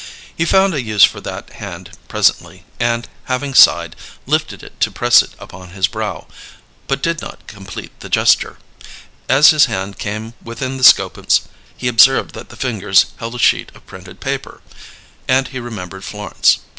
He found a use for that hand presently, and, having sighed, lifted it to press it upon his brow, but did not complete the gesture. As his hand came within the scope of his gaze, levelled on the unfathomable distance, he observed that the fingers held a sheet of printed paper; and he remembered Florence.